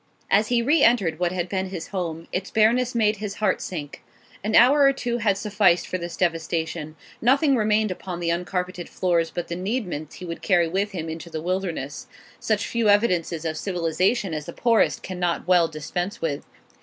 As he re entered what had been his home, its bareness made his heart sink. An hour or two had sufficed for this devastation; nothing remained upon the uncarpeted floors but the needments he would carry with him into the wilderness, such few evidences of civilisation as the poorest cannot well dispense with.